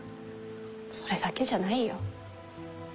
それだけじゃないよ。